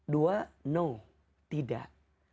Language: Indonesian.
dua no tidak